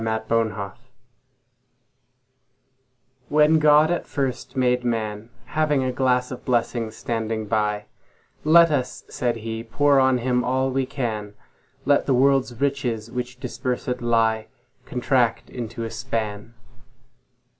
The Pulley WHEN God at first made Man, Having a glass of blessings standing by—Let us (said He) pour on him all we can; Let the world's riches, which dispersèd lie, Contract into a span.